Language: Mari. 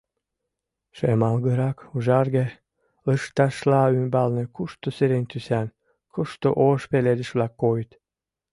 Шемалгырак-ужарге лышташла ӱмбалне кушто сирень тӱсан, кушто ош пеледыш-влак койыт.